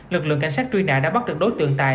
lực lượng cảnh sát truy nã đã bắt được đối tượng tài